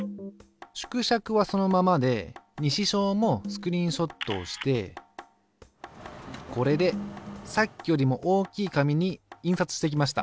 縮尺はそのままで西小もスクリーンショットをしてこれでさっきよりも大きい紙に印刷してきました。